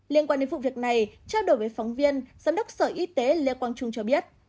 liên quan đến vụ việc này trao đổi với phóng viên giám đốc sở y tế lê quang trung cho biết